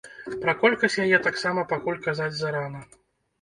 Пра колькасць яе таксама пакуль казаць зарана.